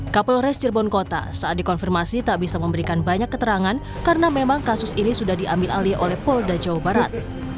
kapolres cirebon kota saat dikonfirmasi tak bisa memberikan banyak keterangan karena memang kasus ini sudah diambil alih oleh polda jawa barat